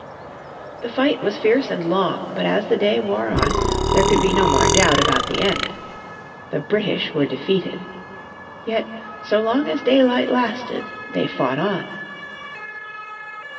The fight was fierce and long, but as the day wore on there could be no more doubt about the end. The British were defeated. Yet so long as daylight lasted they fought on.